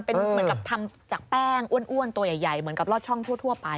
เป็นเหมือนกับทำจากแป้งอ้วนตัวใหญ่เหมือนกับลอดช่องทั่วไป